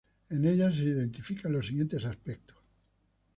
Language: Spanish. En ella se identifican los siguientes aspectos.